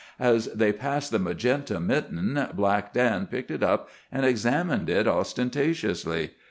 As they passed the magenta mitten Black Dan picked it up and examined it ostentatiously.